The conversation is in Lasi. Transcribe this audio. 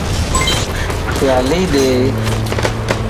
پيالي ڏي